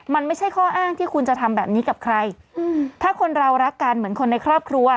มันไม่ใช่ข้ออ้างที่คุณจะทำแบบนี้กับใครอืมถ้าคนเรารักกันเหมือนคนในครอบครัว